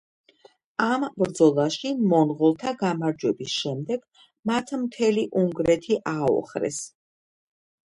ამ ბრძოლაში მონღოლთა გამარჯვების შემდეგ, მათ მთელი უნგრეთი ააოხრეს.